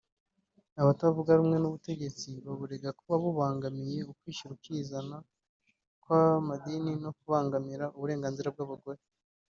Abatavuga rumwe n’ubutegetsi baburega kuba bubangamiye ukwishyira ukizana kw’amadini no kubangamira uburenganzira bw’abagore